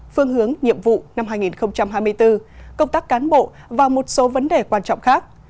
phương hướng nhiệm vụ năm hai nghìn hai mươi bốn công tác cán bộ và một số vấn đề quan trọng khác